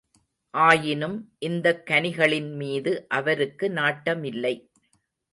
ஆயினும் இந்தக் கனிகளின்மீது அவருக்கு நாட்டமில்லை.